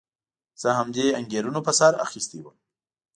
زه همدې انګېرنو په سر اخیستی وم.